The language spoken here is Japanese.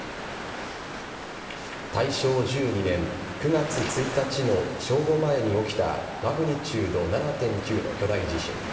大正１２年９月１日の正午前に起きたマグニチュード７．９の巨大地震。